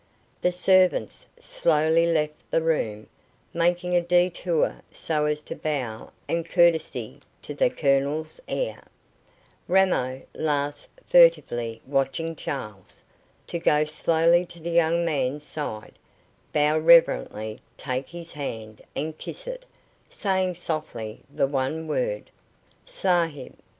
The servants slowly left the room, making a detour so as to bow and courtesy to the Colonel's heir, Ramo last furtively watching Charles to go slowly to the young man's side, bow reverently, take his hand, and kiss it, saying softly the one word: "Sahib."